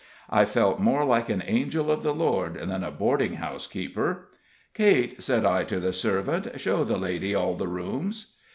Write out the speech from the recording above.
I felt more like an angel of the Lord than a boarding house keeper. "Kate," said I, to the servant "show the lady all the rooms."